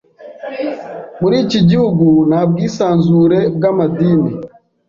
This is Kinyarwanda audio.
Muri iki gihugu nta bwisanzure bw’amadini.